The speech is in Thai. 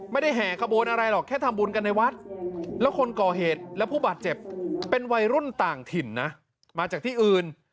แห่ขบวนอะไรหรอกแค่ทำบุญกันในวัดแล้วคนก่อเหตุและผู้บาดเจ็บเป็นวัยรุ่นต่างถิ่นนะมาจากที่อื่น